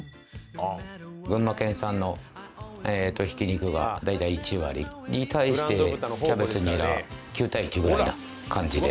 群馬県産のひき肉が大体１割に対してキャベツニラ９対１ぐらいな感じで作っています。